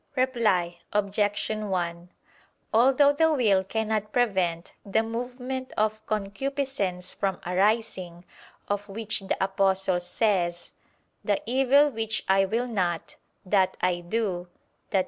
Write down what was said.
Reply Obj. 1: Although the will cannot prevent the movement of concupiscence from arising, of which the Apostle says: "The evil which I will not, that I do i.